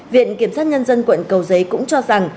viện kiểm sát nhân dân quận cầu giấy cũng cho rằng